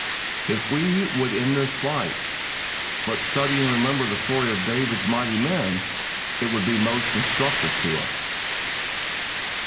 If we would in this light but study and remember the story of David's mighty men, it would be most instructive to us.